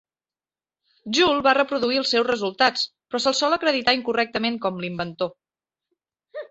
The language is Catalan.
Joule va reproduir els seus resultats, però se'l sol acreditar incorrectament com l'inventor.